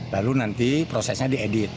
lalu nanti prosesnya diedit